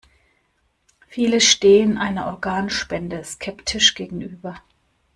Viele stehen einer Organspende skeptisch gegenüber.